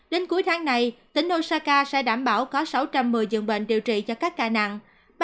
đến cuối tháng này tỉnh doka sẽ đảm bảo có sáu trăm một mươi dưỡng bệnh điều trị cho các ca nặng